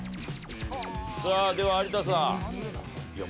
さあでは有田さん。